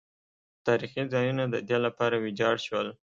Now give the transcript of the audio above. تاریخي ځایونه د دې لپاره ویجاړ شول.